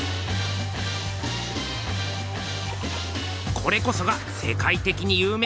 これこそが世界てきに有名な。